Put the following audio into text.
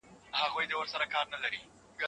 ټول بايد د اخلاقي مکتب په لور حرکت وکړي.